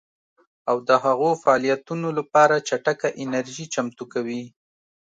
او د هغو فعالیتونو لپاره چټکه انرژي چمتو کوي